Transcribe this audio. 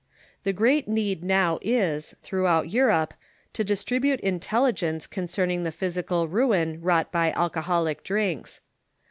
The great need now is, throughout Europe, to distribute intel ligence concerning the physical ruin wrought by alcoholic drinks.